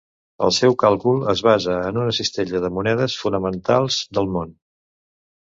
El seu càlcul es basa en una cistella de monedes fonamentals del món.